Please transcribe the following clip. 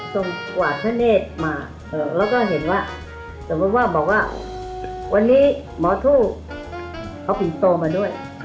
กวาดพระเนธมาแล้วก็เห็นว่าสมมุติว่าบอกว่าวันนี้หมอทู่เขาปิงโตมาด้วย